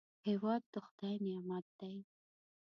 هېواد د خدای نعمت دی